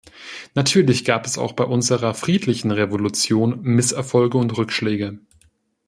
Natürlich gab es auch bei unserer friedlichen Revolution Misserfolge und Rückschläge.